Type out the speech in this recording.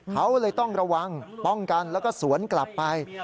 เขาเลยต้องระวังป้องกันแล้วก็สวนกลับไป